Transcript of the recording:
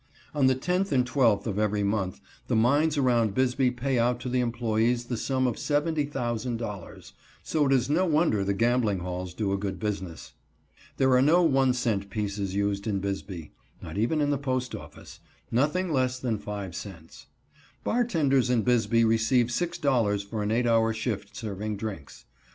On the 10th and 12th of every month the mines around Bisbee pay out to the employees the sum of $70,000, so it is no wonder the gambling halls do a good business. There are no one cent pieces used in Bisbee, (not even in the post office); nothing less than five cents. Bartenders in Bisbee receive $6.00 for an eight hour shift serving drinks.